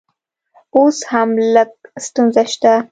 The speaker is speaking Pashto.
اوس هم لږ ستونزه شته